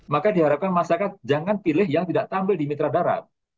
maka diharapkan masyarakat jangan pilih yang tidak tampil di mitra darat